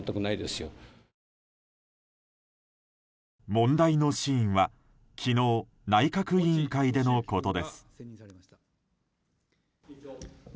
問題のシーンは昨日、内閣委員会でのことです。